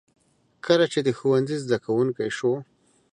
کله چې د ښوونځي زده کوونکی شو.